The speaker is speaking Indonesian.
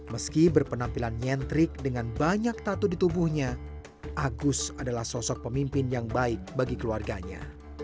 meski berpenampilan nyentrik dengan banyak tatu di tubuhnya agus adalah sosok pemimpin yang baik bagi keluarganya